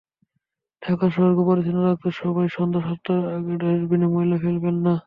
ঢাকা শহরকে পরিচ্ছন্ন রাখতে সবাই সন্ধ্যা সাতটার আগে ডাস্টবিনে ময়লা ফেলবেন না।